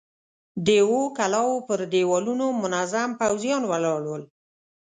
د اوو کلاوو پر دېوالونو منظم پوځيان ولاړ ول.